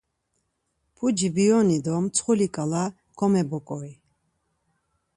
Puci bioni do mtsxuli ǩala komeboǩori.